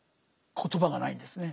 言葉がないんですね。